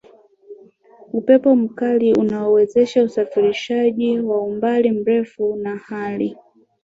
Upepo mkali unawezesha usafirishaji wa umbali mrefu na hali